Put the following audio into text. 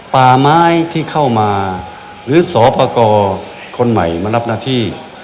ป่าไม้ที่เข้ามาหรือสอปกรคนใหม่มารับหน้าที่